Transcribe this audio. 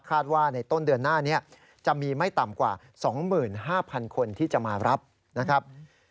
ว่าในต้นเดือนหน้านี้จะมีไม่ต่ำกว่า๒๕๐๐๐คนที่จะมารับนะครับ